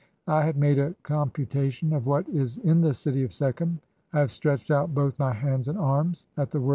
I have made a computation of "what is in the city of Sekhem, (7) I have stretched out both "my hands and arms at the word